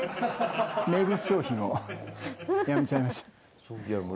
名物商品をやめちゃいました。